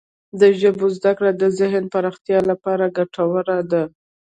د ژبو زده کړه د ذهن پراختیا لپاره ګټوره ده.